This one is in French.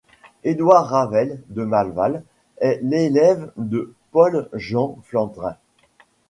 Édouard Ravel de Malval est l'élève de Paul Jean Flandrin.